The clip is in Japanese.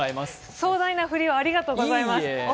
壮大な振りをありがとうございます。